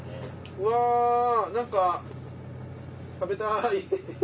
うわ何か食べたい。